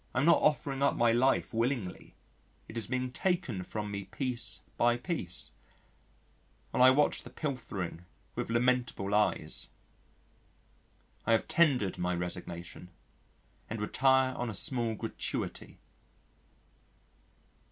I am not offering up my life willingly it is being taken from me piece by piece, while I watch the pilfering with lamentable eyes. I have tendered my resignation and retire on a small gratuity.